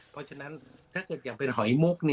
เพราะฉะนั้นถ้าเกิดอย่างเป็นหอยมุก